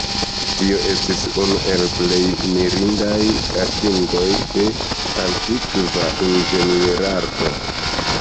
Tio estis unu el plej mirindaj atingoj de antikva inĝenierarto.